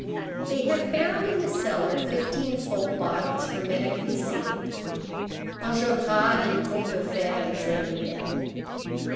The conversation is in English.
They had found in the cellar fifteen full bottles hermetically sealed. Enjolras and Combeferre examined them.